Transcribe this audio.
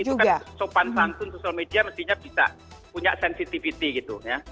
itu kan sopan santun sosial media mestinya bisa punya sensitivity gitu ya